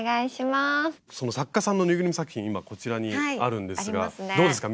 その作家さんのぬいぐるみ作品今こちらにあるんですがどうですか？